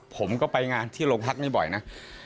ผมก็ไปงานที่โรงพักนี้บ่อยนะ